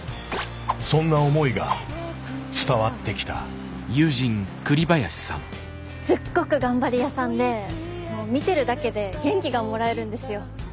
そんな思いが伝わってきたすっごく頑張り屋さんでもう見てるだけで元気がもらえるんですよ。